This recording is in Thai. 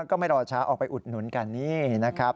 ก็ไม่รอช้าออกไปอุดหนุนกันนี่นะครับ